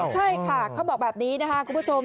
ใช่ค่ะเขาบอกแบบนี้นะคะคุณผู้ชม